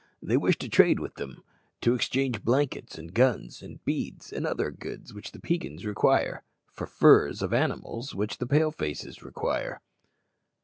They wish to trade with them to exchange blankets, and guns, and beads, and other goods which the Peigans require, for furs of animals which the Pale faces require."